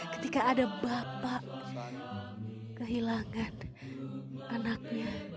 ketika ada bapak kehilangan anaknya